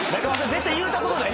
絶対言うたことない。